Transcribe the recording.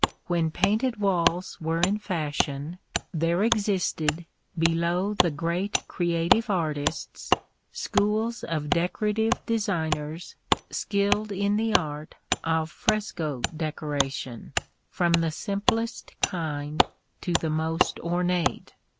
When painted walls were in fashion, there existed, below the great creative artists, schools of decorative designers skilled in the art of fresco decoration, from the simplest kind to the most ornate.